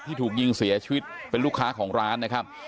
ถูกยิงเสียชีวิตเป็นลูกค้าของร้านนะครับ